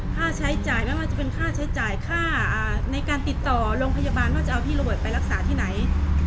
ค่าใช้จ่ายไม่ว่าจะเป็นค่าใช้จ่ายค่าในการติดต่อโรงพยาบาลว่าจะเอาพี่โรเบิร์ตไปรักษาที่ไหน